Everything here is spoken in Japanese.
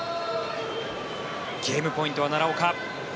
ゲームポイントは奈良岡。